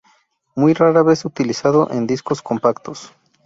Muy rara vez utilizado en discos compactos.